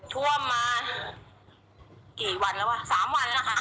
ท่วมมากี่วันแล้วว่ะ๓วันแล้วนะคะ